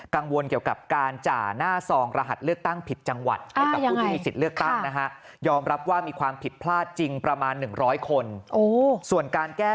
กังวลเกี่ยวกับการ